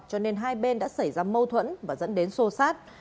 cho nên hai bên đã xảy ra mâu thuẫn và dẫn đến xô xát